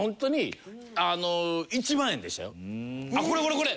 あっこれこれこれ！